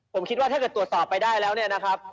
ผมคิดว่าถ้าเกิดตรวจสอบไปได้แล้วเนี่ยนะครับ